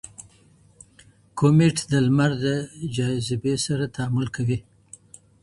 کومیټ د لمر له جاذبې سره تعامل کوي.